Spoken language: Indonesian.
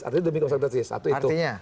artinya demi kemaksiatan